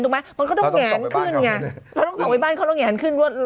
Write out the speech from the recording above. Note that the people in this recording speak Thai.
มันก็ต้องแงนขึ้นไงเราต้องส่องไปบ้านเขาต้องแงนขึ้นว่า